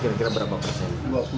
kira kira berapa persen